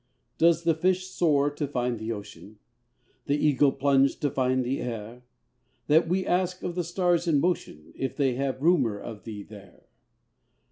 Does the fish soar to find the ocean, The eagle plunge to find the air That we ask of the stars in motion If they have rumour of thee there?